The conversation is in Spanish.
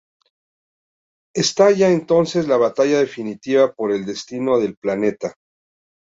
Estalla entonces la batalla definitiva por el destino del planeta.